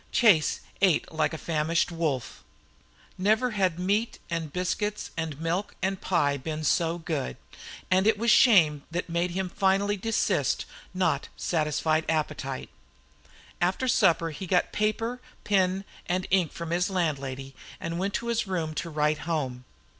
Chase ate like a famished wolf. Never had meat and biscuits and milk and pie been so good. And it was shame that made him finally desist, not satisfied appetite. After supper he got paper, pen, and ink from his landlady and went to his room to write home.